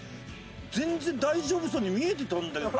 全然大丈夫そうに見えてたんだけど。